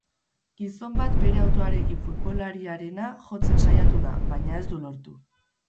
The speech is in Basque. Gizon bat bere autoarekin futbolariarena jotzen saiatu da, baina ez du lortu.